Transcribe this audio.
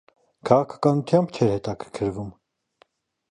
Քաղաքականությամբ չէր հետաքրքրվում։